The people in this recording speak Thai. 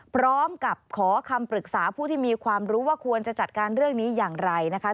พร้อมกับขอคำปรึกษาผู้ที่มีความรู้ว่าควรจะจัดการเรื่องนี้อย่างไรนะคะ